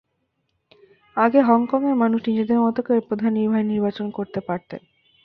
আগে হংকংয়ের মানুষ নিজেদের মতো করে প্রধান নির্বাহী নির্বাচন করতে পারতেন।